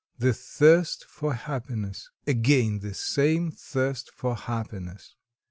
The thirst for happiness again the same thirst for happiness.